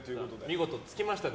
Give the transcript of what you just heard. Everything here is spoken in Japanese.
見事つきましたね